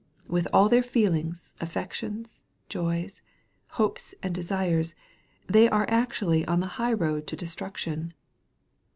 With all their feelings, affections, joys, hopes, and desires, they are actually on the high road to destruction.